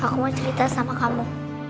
aku mau cerita sama kamu